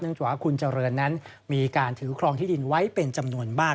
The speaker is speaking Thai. จากว่าคุณเจริญนั้นมีการถือครองที่ดินไว้เป็นจำนวนมาก